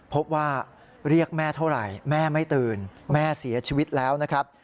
พบว่าเรียกแม่เท่าไหร่แม่ไม่ตื่นแม่เสียชีวิตแล้วนะครับ